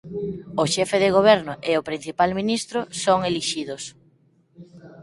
O xefe de goberno é o Principal Ministro son elixidos.